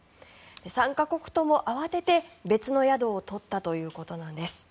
３か国とも慌てて別の宿を取ったということなんです。